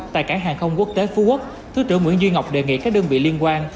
tại cảng hàng không quốc tế phú quốc thứ trưởng nguyễn duy ngọc đề nghị các đơn vị liên quan